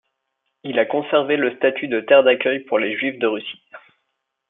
Il a conservé le statut de terre d'accueil pour les Juifs de Russie.